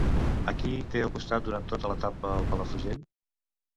A qui té al costat durant tota l'etapa al Palafrugell?